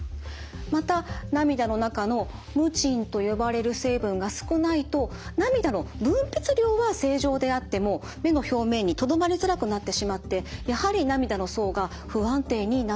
また涙の中のムチンと呼ばれる成分が少ないと涙の分泌量は正常であっても目の表面にとどまりづらくなってしまってやはり涙の層が不安定になってしまうんです。